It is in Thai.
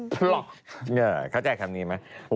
พล็อกเออเข้าใจคำนี้ไหม